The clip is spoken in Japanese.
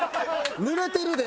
ぬれてるで！